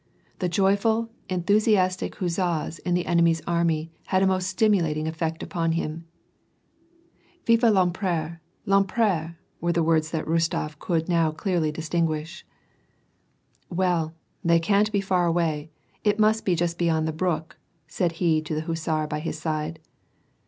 The joyful, enthusiastic huzzas in the enemy's army had a most stimulating effect upon him. Vive Vempereur ! Vempereur! were the words that Kostof could now clearly distinguish. "Well, they can't be far away; must be just beyond the brook," said he to the hussar by his side.